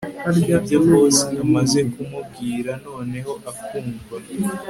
nibyo boss amaze kumubwira noneho akumva